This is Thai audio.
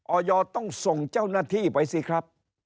อยต้องส่งเจ้าหน้าที่ไปสิครับ